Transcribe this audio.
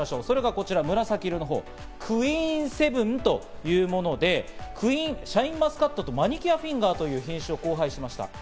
こちら紫色のほう、クイーンセブンというもので、シャインマスカットとマニキュアフィンガーという品種を交配しました。